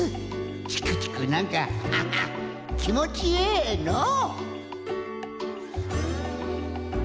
チクチクなんかハハッきもちええのう。